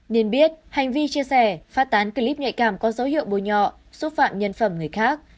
nên biết hành vi chia sẻ phát tán clip nhạy cảm có dấu hiệu bôi nhọ xúc phạm nhân phẩm người khác